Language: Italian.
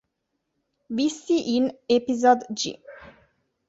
Visti in "Episode G".